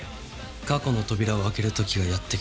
過去の扉を開ける時がやってきた